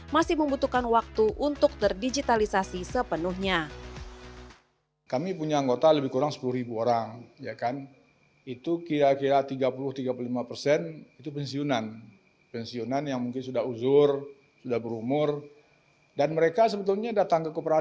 masih membutuhkan waktu untuk terdigitalisasi sepenuhnya